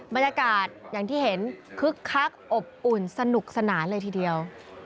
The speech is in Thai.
บรรยากาศอย่างที่เห็นคึกคักอบอุ่นสนุกสนานเลยทีเดียว